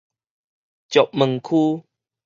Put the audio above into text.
石門區